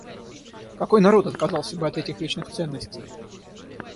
Какой народ отказался бы от этих вечных ценностей?